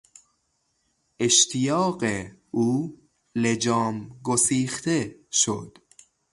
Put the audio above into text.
اشتیاق او لجام گسیخته شد.